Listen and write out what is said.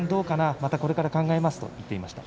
またこれから考えますと言っていました。